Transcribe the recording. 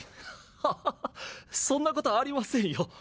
ハハハそんなことありませんよ